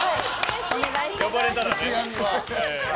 呼ばれたらね。